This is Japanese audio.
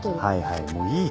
はいはい。